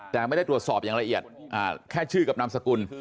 แต่ไม่ได้ตรวจสอบอย่างละเอียดแค่ชื่อกับนามสกุล